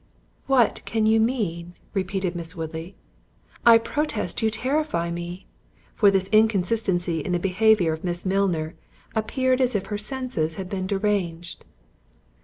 "What can you mean?" repeated Miss Woodley; "I protest you terrify me." For this inconsistency in the behaviour of Miss Milner, appeared as if her senses had been deranged.